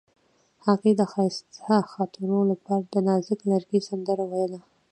هغې د ښایسته خاطرو لپاره د نازک لرګی سندره ویله.